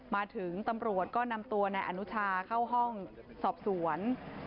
มาถึงตำรวจก็นำตัวนายอนุชาเข้าห้องสอบสวน